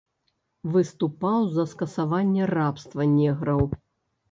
Выступаў за скасаванне рабства неграў.